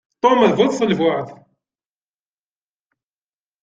Tom d bu tṣelbuɛt.